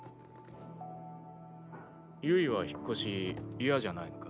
結以は引っ越しイヤじゃないのか？